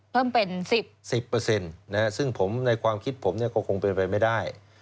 เพิ่มเป็น๑๐๑๐ซึ่งผมในความคิดผมก็คงเป็นไปไม่ได้